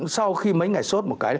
sau khi mấy ngày suốt